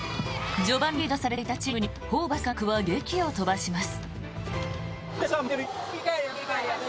序盤リードされていたチームにホーバス監督は檄を飛ばします。